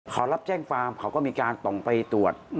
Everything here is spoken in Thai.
เขารับแจ้งความเขาก็มีการส่งไปตรวจ